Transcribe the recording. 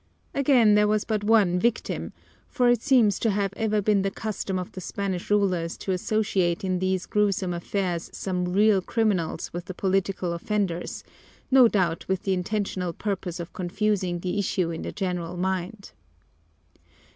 Again, there was but one victim; for it seems to have ever been the custom of the Spanish rulers to associate in these gruesome affairs some real criminals with the political offenders, no doubt with the intentional purpose of confusing the issue in the general mind.